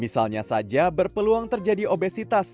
misalnya saja berpeluang terjadi obesitas